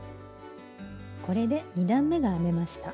これで２段めが編めました。